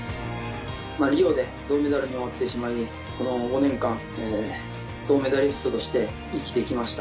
リオで銅メダルに終わってしまい、この５年間、銅メダリストとして生きてきました。